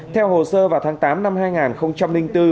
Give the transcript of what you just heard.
theo hồ sơ vào tháng tám năm hai nghìn bốn